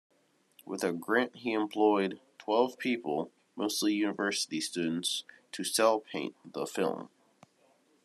With a grant he employed twelve people, mostly university students, to cel-paint the film.